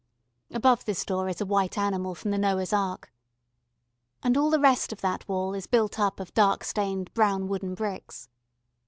Above this door is a white animal from the Noah's Ark. And all the rest of that wall is built up of dark stained brown wooden bricks.